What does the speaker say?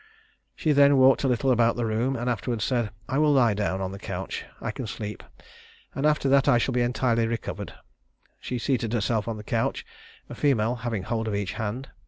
She then walked a little about the room, and afterwards said, "I will lie down on the couch; I can sleep, and after that I shall be entirely recovered." She seated herself on the couch, a female having hold of each hand.